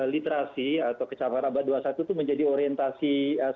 literasi atau kecaman abad dua puluh satu itu menjadi orientasi satu